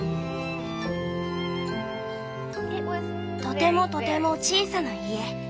「とてもとても小さな家。